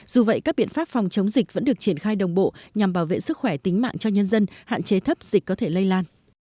dù vậy các biện pháp phòng chống dịch vẫn được triển khai đồng bộ nhằm bảo vệ sức khỏe tính mạng cho nhân dân hạn chế thấp dịch có thể lây lan